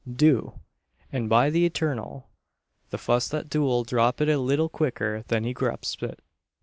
"Do; an by the eturnal! the fust that do 'll drop it a leetle quicker than he grups it.